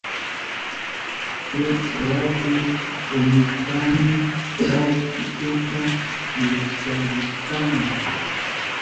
Shuk ratu puñushkani. Chawpi tuta likcharishkani.